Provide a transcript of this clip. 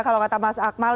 kalau kata mas akmal